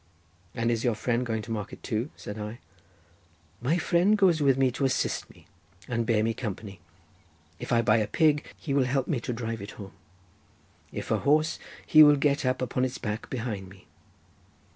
"And is your friend going to market too?" said I. "My friend goes with me to assist me and bear me company. If I buy a pig he will help me to drive it home; if a horse, he will get up upon its back behind me.